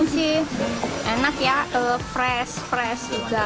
sih enak ya fresh fresh juga